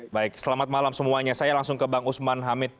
baik selamat malam semuanya saya langsung ke bang usman hamid